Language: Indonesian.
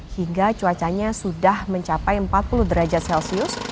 hingga cuacanya sudah mencapai empat puluh derajat celcius